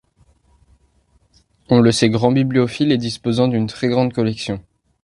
On le sait grand bibliophile et disposant d'une très grande collection.